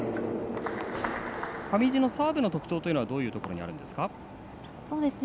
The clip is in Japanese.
上地のサーブの特徴はどういうところになりますか。